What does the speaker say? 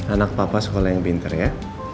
anak papa sekolah yang pinter ya